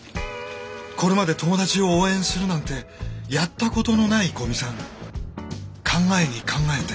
これまで友達を応援するなんてやったことのない古見さん考えに考えて。